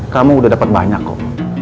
kamu udah dapat banyak kok